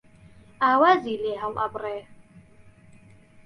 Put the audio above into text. ئاوازی لێ هەڵ ئەبڕێ